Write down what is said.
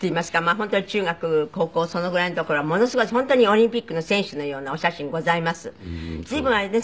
本当に中学高校そのぐらいの頃はものすごい本当にオリンピックの選手のようなお写真ございます。